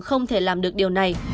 không thể làm được điều này